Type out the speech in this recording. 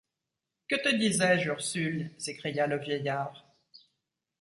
Que te disais-je, Ursule? s’écria le vieillard.